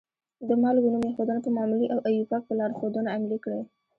د مالګو نوم ایښودنه په معمولي او آیوپک په لارښودنه عملي کړئ.